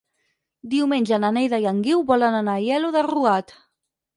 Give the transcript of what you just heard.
Diumenge na Neida i en Guiu volen anar a Aielo de Rugat.